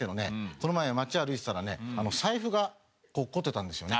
この前街を歩いてたらね財布が落っこってたんですよね。